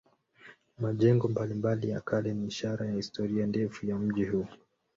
Majengo mbalimbali ya kale ni ishara ya historia ndefu ya mji huu.